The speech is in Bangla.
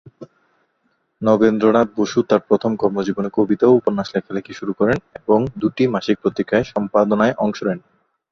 নগেন্দ্রনাথ বসু তার প্রথম কর্মজীবনে কবিতা ও উপন্যাস লেখালেখি শুরু করেন এবং দুটি মাসিক পত্রিকায় সম্পাদনায় অংশ নেন।